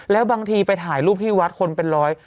แล้วบางทีไปถ่ายรูปที่วัดคนเป็นร้อย